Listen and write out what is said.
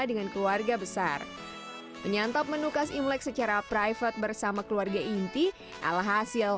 dengan keluarga besar menyantap menu khas imlek secara private bersama keluarga inti alhasil